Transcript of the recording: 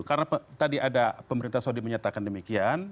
karena tadi ada pemerintah saudi menyatakan demikian